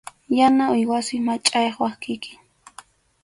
Yana uywasi, machʼaqway kikin.